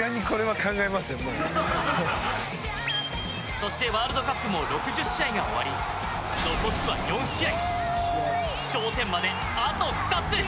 そしてワールドカップも６０試合が終わり残すは４試合。